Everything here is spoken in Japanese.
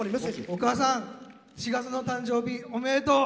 お母さん、４月の誕生日おめでとう！